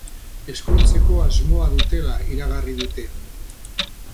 Ezkontzeko asmoa dutela iragarri dute.